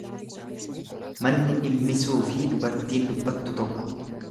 Manni dhimmisuufi dubartiin dubbattu tokko.